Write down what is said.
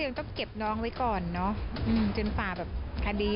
ก็ยังต้องเก็บน้องไว้ก่อนจนฝ่าแบบพอดี